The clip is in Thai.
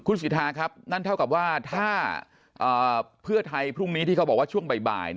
คุณสิทธาครับนั่นเท่ากับว่าถ้าเพื่อไทยพรุ่งนี้ที่เขาบอกว่าช่วงบ่าย